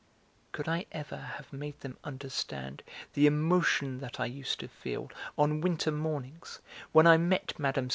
Could I ever have made them understand the emotion that I used to feel on winter mornings, when I met Mme.